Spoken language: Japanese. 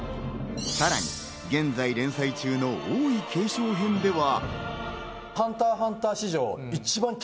さらに、現在連載中の王位継承編では。